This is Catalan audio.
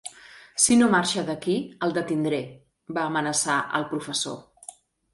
Si no marxa d’aquí, el detindré, va amenaçar al professor.